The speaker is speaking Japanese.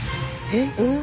え？